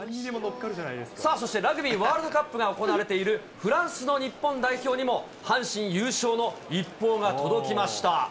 さあ、そして、ラグビーワールドカップが行われているフランスの日本代表にも、阪神優勝の一報が届きました。